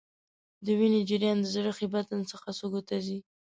د وینې جریان د زړه ښي بطن څخه سږو ته ځي.